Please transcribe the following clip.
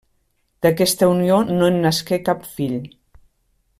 D'aquesta unió no en nasqué cap fill.